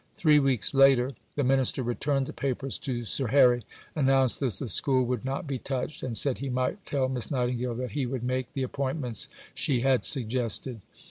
Three weeks later, the minister returned the papers to Sir Harry, announced that the School would not be touched, and said he might tell Miss Nightingale that he would make the appointments she had suggested.